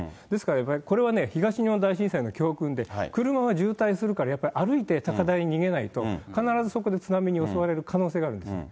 ですから、やっぱり、これは、東日本大震災の教訓で、車は渋滞するから、やっぱり歩いて高台に逃げないと、必ずそこで津波に襲われる可能性があるんです。